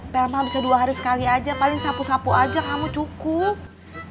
telma bisa dua hari sekali aja paling sapu sapu aja kamu cukup